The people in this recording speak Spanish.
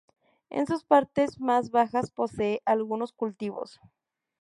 En sus partes más bajas posee algunos cultivos.